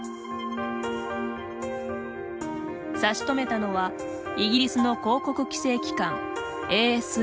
差し止めたのはイギリスの広告規制機関ＡＳＡ。